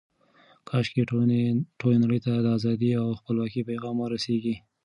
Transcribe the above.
کاشکې ټولې نړۍ ته د ازادۍ او خپلواکۍ پیغام ورسیږي.